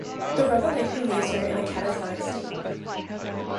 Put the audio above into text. The revelation leaves her in a catatonic state.